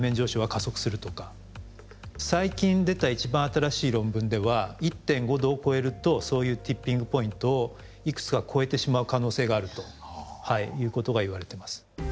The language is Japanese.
最近出た一番新しい論文では１．５℃を超えるとそういうティッピング・ポイントをいくつか超えてしまう可能性があるということがいわれてます。